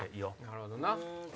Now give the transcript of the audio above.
なるほどな。